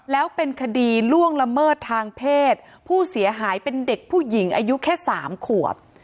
แล้วเป็นคดีล่วงละเมิดทางเพศผู้เสียหายเป็นเด็กผู้หญิงอายุแค่สามขวบ